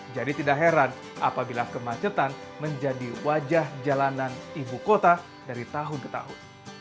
jadi tidak heran apabila kemacetan menjadi wajah jalanan ibu kota dari tahun ke tahun